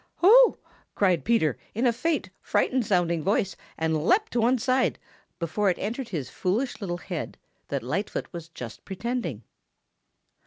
"Oh!" cried Peter in a faint, frightened sounding voice and leaped to one side before it entered his foolish little head that Lightfoot was just pretending.